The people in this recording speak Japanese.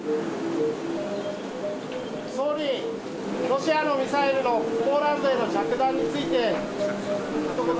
総理、ロシアのミサイルのポーランドへの着弾について、ひと言。